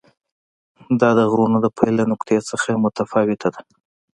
دا د غرونو د پیل له نقطې څخه متفاوته ده.